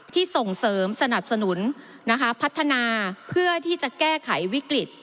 ส่งเสริมสนับสนุนพัฒนาเพื่อที่จะแก้ไขวิกฤต